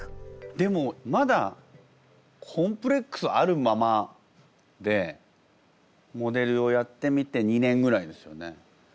でもまだコンプレックスあるままでモデルをやってみて２年ぐらいですよね。